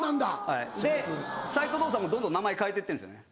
はいで斎藤道三もどんどん名前変えてってるんですよね。